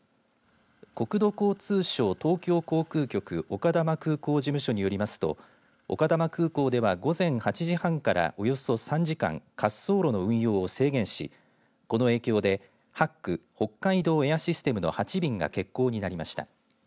国土交通省東京航空局丘珠空港事務所によりますと丘珠空港では午前８時半からおよそ３時間滑走路の運用を制限しこの影響でＨＡＣ、北海道エアシステムの８便が欠航になりました。